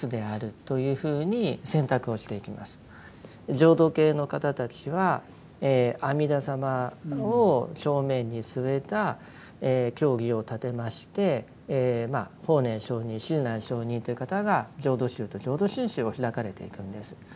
浄土系の方たちは阿弥陀様を正面に据えた教義を立てまして法然上人親鸞聖人という方が浄土宗と浄土真宗を開かれていくんです。